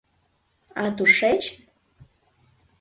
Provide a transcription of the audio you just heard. А тушечын...